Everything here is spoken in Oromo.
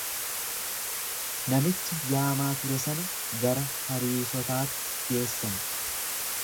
Namicha jaamaa ture sana gara Fariisotaatti geessan.